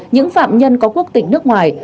những phạm nhân có quốc tịch nước ngoài